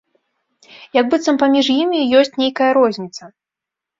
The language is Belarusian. Як быццам паміж імі ёсць нейкая розніца.